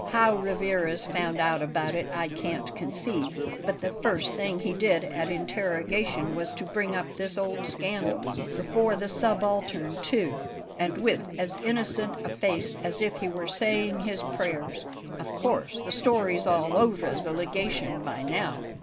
How Rivarez found out about it I can't conceive; but the first thing he did at interrogation was to bring up this old scandal before the subaltern, too! And with as innocent a face as if he were saying his prayers! Of course the story's all over the Legation by now.